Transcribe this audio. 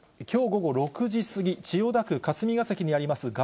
きょう午後６時過ぎ、千代田区霞が関にあります